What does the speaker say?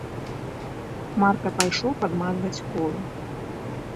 Марка пайшоў падмазваць колы.